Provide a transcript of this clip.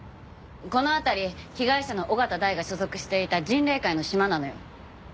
この辺り被害者の緒方大が所属していた迅嶺会のシマなのよ。